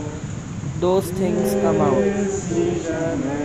Those things come out.